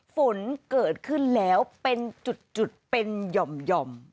ฝนเกิดขึ้นแล้วเป็นจุดเป็นหย่อม